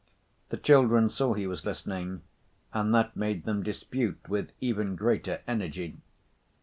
The children saw he was listening and that made them dispute with even greater energy.